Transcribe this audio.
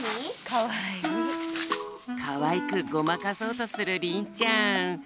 かわいくごまかそうとするりんちゃん。